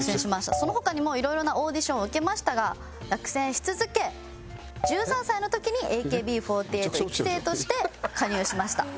その他にもいろいろなオーディションを受けましたが落選し続け１３歳の時にＡＫＢ４８１期生として加入しました。